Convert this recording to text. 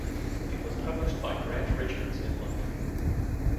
It was published by Grant Richards in London.